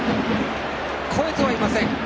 越えてはいません。